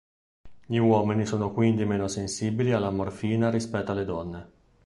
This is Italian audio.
Gli uomini sono quindi meno sensibili alla morfina rispetto alle donne.